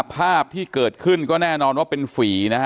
ภาพที่เกิดขึ้นก็แน่นอนว่าเป็นฝีนะฮะ